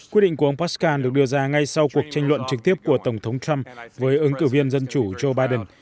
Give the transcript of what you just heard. quyết định của ông parscale được đưa ra ngay sau cuộc tranh luận trực tiếp của tổng thống trump với ứng cử viên dân chủ joe biden